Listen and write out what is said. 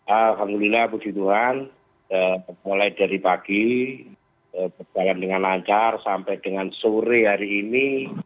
alhamdulillah puji tuhan mulai dari pagi berjalan dengan lancar sampai dengan sore hari ini